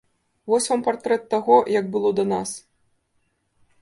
Вось вам партрэт таго, як было да нас.